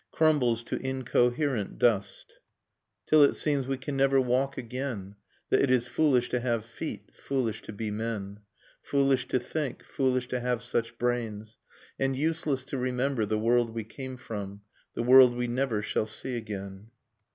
Crumbles to incoherent dust ; 1915 • The Trenches Till it seems we can never walk again, That it is foolish to have feet, foolish to be men. Foolish to think, foolish to have such brains, And useless to remember The world we came from, The world we never shall see again